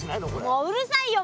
もううるさいよ！